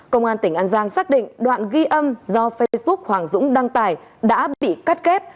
công an tỉnh an giang xác định đoạn ghi âm do facebook hoàng dũng đăng tải đã bị cắt kép